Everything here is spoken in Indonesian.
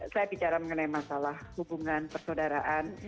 saya bicara mengenai masalah hubungan persaudaraan